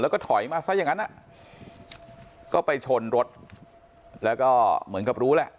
แล้วก็ถอยมาซะอย่างนั้นก็ไปชนรถแล้วก็เหมือนกับรู้แหละ